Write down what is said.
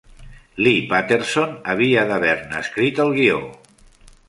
Lee Patterson havia d'haver-ne escrit el guió.